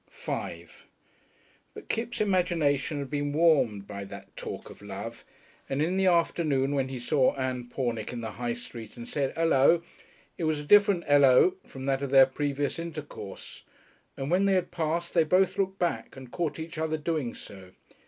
§5 But Kipps' imagination had been warmed by that talk of love, and in the afternoon, when he saw Ann Pornick in the High Street and said "Hello!" it was a different "hello" from that of their previous intercourse. And when they had passed they both looked back and caught each other doing so.